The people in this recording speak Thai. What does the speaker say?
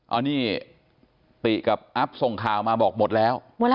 อันนี้ติกับอัพส่งข่าวมาบอกหมดแล้ว